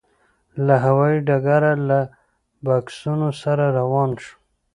له هوايي ډګره له بکسونو سره روان شوو.